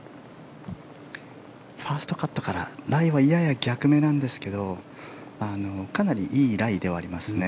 ファーストカットからライはやや逆目なんですがかなりいいライではありますね。